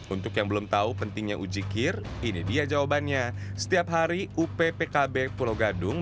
untuk yang belum tahu pentingnya ujikir ini dia jawabannya setiap hari up pkb pulau gadung